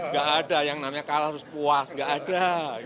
gak ada yang namanya kalah terus puas gak ada